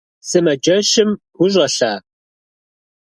Sımaceşım vuş'elha?